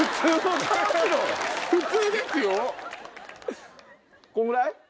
普通ですよ。こんぐらい？